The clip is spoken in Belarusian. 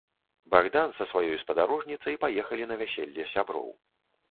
Багдан са сваёй спадарожніцай паехалі на вяселле сяброў.